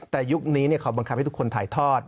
แต่ยุคนี้เขาบังคับให้ทุกคนถ่ายทอด